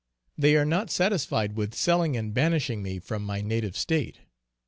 They are not satisfied with selling and banishing me from my native State.